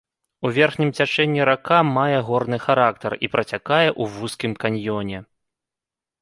У верхнім цячэнні рака мае горны характар і працякае ў вузкім каньёне.